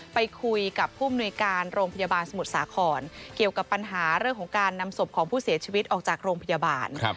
ไปคุยกับผู้มนุยการโรงพยาบาลสมุทรสาครเกี่ยวกับปัญหาเรื่องของการนำศพของผู้เสียชีวิตออกจากโรงพยาบาล